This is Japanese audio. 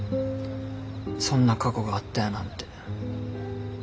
そんな過去があったやなんて。